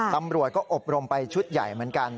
ตำรวจก็อบรมไปชุดใหญ่เหมือนกัน